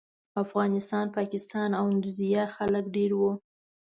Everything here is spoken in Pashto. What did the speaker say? افغانستان، پاکستان او اندونیزیا خلک ډېر وو.